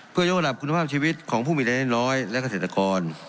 เพื่อยกระดับคุณภาพชีวิตของผู้มีรายได้น้อยและเกษตรกร